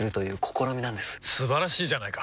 素晴らしいじゃないか！